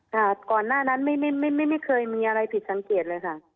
ค่ะก่อนหน้านั้นไม่เคยมีอะไรผิดสังเกตเลยค่ะ